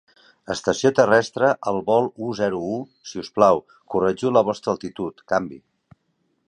Estació terrestre al vol u-zero-u, si us plau, corregiu la vostra altitud, canvi!